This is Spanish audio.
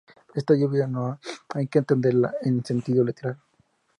Esta "lluvia" no hay que entenderla en un sentido literal.